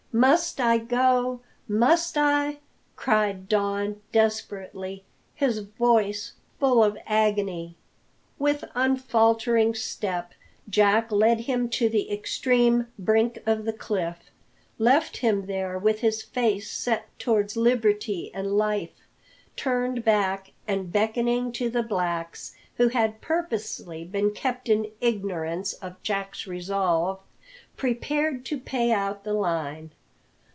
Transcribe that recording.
Must I go must I?" cried Don desperately, his voice full of agony. With unfaltering step Jack led him to the extreme brink of the cliff, left him there with his face set towards liberty and life, turned back, and beckoning to the blacks who had purposely been kept in ignorance of Jack's resolve prepared to pay out the line.